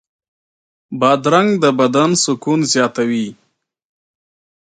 بادرنګ د بدن سکون زیاتوي.